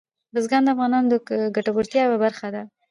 بزګان د افغانانو د ګټورتیا یوه برخه ده.